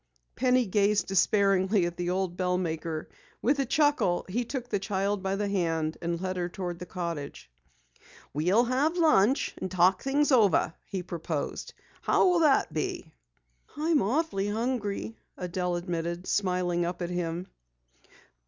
Penny gazed despairingly at the old bell maker. With a chuckle, he took the child by the hand and led her toward the cottage. "We'll have lunch and talk things over," he proposed. "How will that be?" "I'm awful hungry," Adelle admitted, smiling up at him.